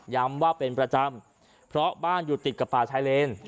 ว่าเป็นประจำเพราะบ้านอยู่ติดกับป่าชายเลน